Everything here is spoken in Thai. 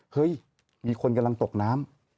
เฮ้ยมีคนกำลังตกน้ำ